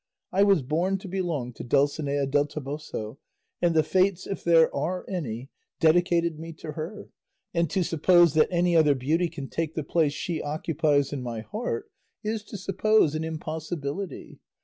I was born to belong to Dulcinea del Toboso, and the fates, if there are any, dedicated me to her; and to suppose that any other beauty can take the place she occupies in my heart is to suppose an impossibility.